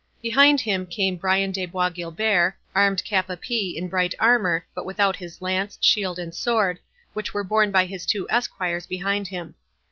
Behind him came Brian de Bois Guilbert, armed cap a pie in bright armour, but without his lance, shield, and sword, which were borne by his two esquires behind him.